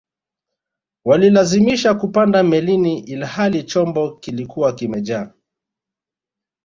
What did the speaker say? walilazimisha kupanda melini ilihali chombo kilikuwa kimejaa